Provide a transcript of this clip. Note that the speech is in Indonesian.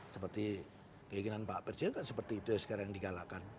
seperti keinginan pak persia enggak seperti itu yang sekarang digalakkan